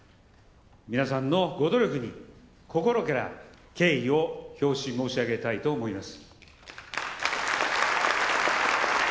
皆さんのご努力に心から敬意を表し申し上げたいと思います。